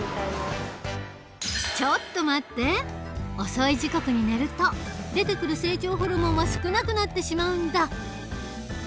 遅い時刻に寝ると出てくる成長ホルモンは少なくなってしまうんだ。